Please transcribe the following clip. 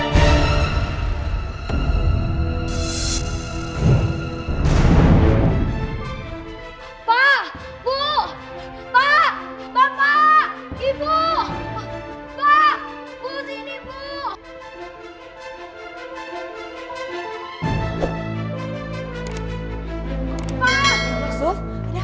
sampai jumpa di video selanjutnya